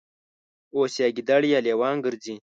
اوس یا ګیدړې یا لېوان ګرځي